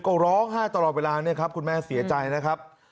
ก็ร้องไห้ตลอดเวลาคุณแม่เสียใจนะครับ